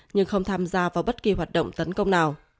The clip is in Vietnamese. nhưng không tham gia vào bất kỳ hoạt động tấn công nào